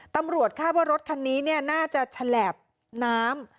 ตำรวจคาดว่ารถคันนี้น่าจะฉลบน้ำ